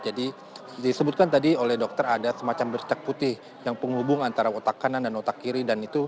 jadi disebutkan tadi oleh dokter ada semacam bercak putih yang penghubung antara otak kanan dan otak kiri